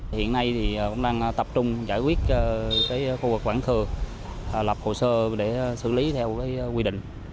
hiện nay thì cũng đang tập trung giải quyết khu vực quảng thừa lập hồ sơ để xử lý theo quy định